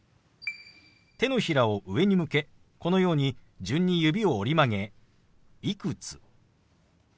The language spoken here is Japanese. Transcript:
手のひらを上に向けこのように順に指を折り曲げ「いくつ」。